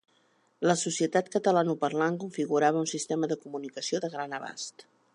La societat catalanoparlant configurava un sistema de comunicació de gran abast.